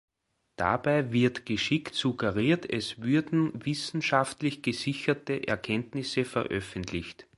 Dabei wird geschickt suggeriert, es würden wissenschaftlich gesicherte Erkenntnisse veröffentlicht.